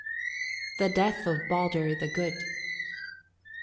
THE DEATH OF BALDUR THE GOOD.